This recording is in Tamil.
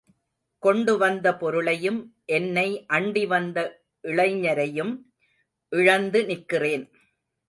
கொண்டு வந்த பொருளையும், என்னை அண்டி வந்த இளைஞரையும் இழந்து நிற்கிறேன்.